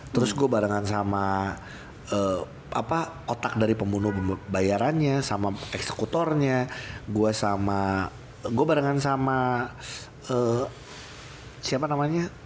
terus gue barengan sama otak dari pembunuh bayarannya sama eksekutornya gue sama gue barengan sama siapa namanya